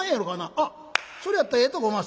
「あっそれやったらええとこおまっせ」。